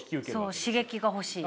そう刺激が欲しい。